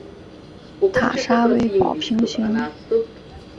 塔刹为宝瓶形。